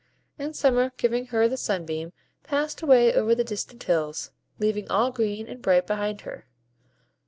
And Summer, giving her the sunbeam, passed away over the distant hills, leaving all green and bright behind her.